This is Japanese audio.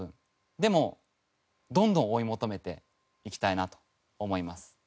でもどんどん追い求めていきたいなと思います。